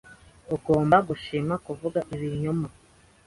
Ugomba gushima kuvuga ibinyoma